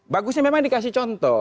bagusnya memang dikasih contoh